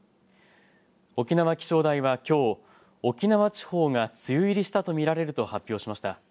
沖縄気象台はきょう沖縄地方が梅雨入りしたと見られると発表しました。